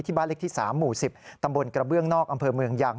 บ้านเล็กที่๓หมู่๑๐ตำบลกระเบื้องนอกอำเภอเมืองยัง